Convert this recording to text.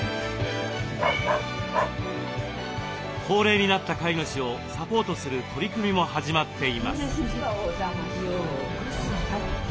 高齢になった飼い主をサポートする取り組みも始まっています。